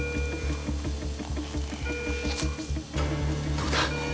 どうだ？